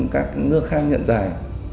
cũng ngược khang nhận giải